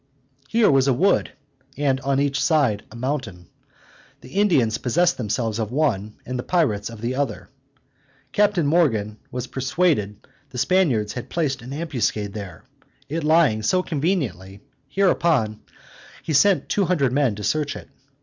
Here was a wood, and on each side a mountain. The Indians possessed themselves of one, and the pirates of the other. Captain Morgan was persuaded the Spaniards had placed an ambuscade there, it lying so conveniently; hereupon, he sent two hundred men to search it.